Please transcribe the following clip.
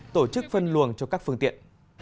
tổ chức phân luồng cho các phương tiện